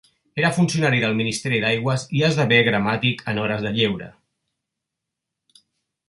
Era funcionari del ministeri d'aigües i esdevé gramàtic en hores de lleure.